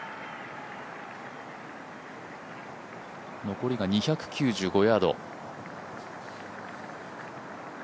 残りが２９５ヤード。